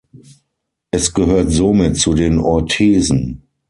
Es gehört somit zu den Orthesen.